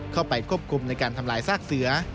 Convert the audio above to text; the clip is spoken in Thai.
เข้าไปควบคุมในการทำลายซากเสือ